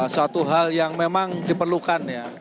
suatu hal yang memang diperlukan ya